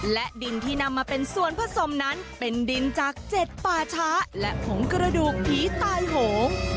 และดินที่นำมาเป็นส่วนผสมนั้นเป็นดินจาก๗ป่าช้าและผงกระดูกผีตายโหง